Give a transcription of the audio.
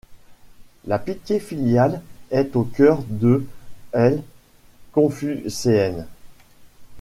La piété filiale est au cœur de l’ confucéenne.